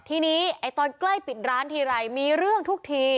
ที่นี้ไอ้ตอนใกล้ปิดร้านเท่าอะไรมีเรื่องทุกที